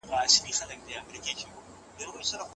صدقه عمر زیاتوي.